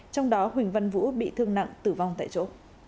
trong đó huỳnh văn vũ bị thương nặng tử vong tại chỗ